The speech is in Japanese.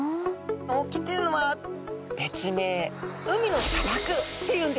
沖というのは別名「海の砂漠」っていうんですね。